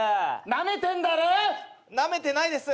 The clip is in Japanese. なめてないです！